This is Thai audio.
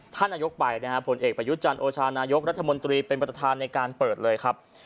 ท่านนายกไปนะฮะผลเอกประยุทธ์จันทร์โอชานายกรัฐมนตรีเป็นประธานในการเปิดเลยครับ